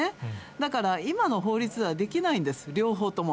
だから今の法律ではできないんです、両方とも。